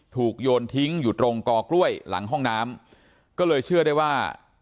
โยนทิ้งอยู่ตรงกอกล้วยหลังห้องน้ำก็เลยเชื่อได้ว่า